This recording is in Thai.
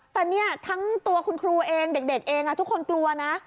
แต่เนี่ยทั้งตัวคุณครูเองเด็กเองทุกคนกลัวนะ